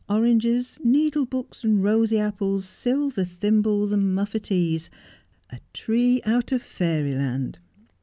13d oranges, needle books, rosy apples, silver thimbles, muffatees — a tree out of fairy land.